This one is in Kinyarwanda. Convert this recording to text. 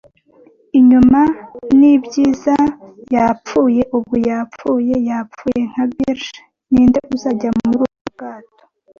inyuma. Nibyiza, Yapfuye ubu, yapfuye - yapfuye nka bilge; ninde uzajya muri ubu bwato,